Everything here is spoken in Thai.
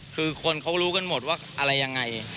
คือคนเขารู้กันหมดว่าอะไรยังไง